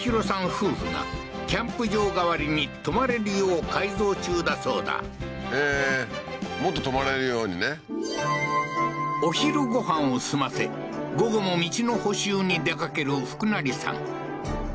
夫婦がキャンプ場代わりに泊まれるよう改造中だそうだへえーもっと泊まれるようにねお昼ご飯を済ませ午後も道の補修に出かける福成さん